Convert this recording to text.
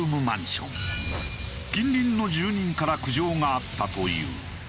近隣の住人から苦情があったという。